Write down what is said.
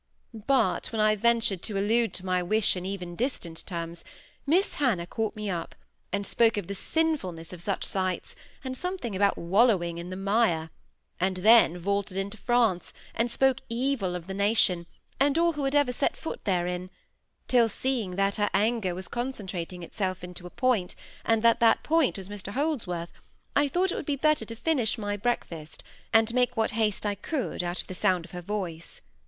But when I ventured to allude to my wish in even distant terms, Miss Hannah caught me up, and spoke of the sinfulness of such sights, and something about wallowing in the mire, and then vaulted into France, and spoke evil of the nation, and all who had ever set foot therein, till, seeing that her anger was concentrating itself into a point, and that that point was Mr Holdsworth, I thought it would be better to finish my breakfast, and make what haste I could out of the sound of her voice.